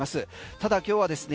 ただ今日はですね